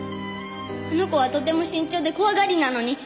あの子はとても慎重で怖がりなのに。